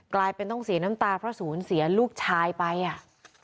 กลายเป็นต้องเสียน้ำตาเพราะศูนย์เสียลูกชายไปอ่ะ